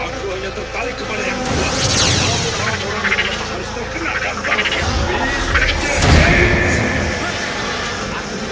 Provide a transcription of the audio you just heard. aku hanya tertali kepada yang lemah